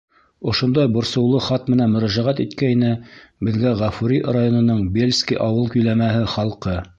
Ошондай борсоулы хат менән мөрәжәғәт иткәйне беҙгә Ғафури районының Бельский ауыл биләмәһе халҡы.